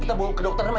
kita bawa ke dokter mai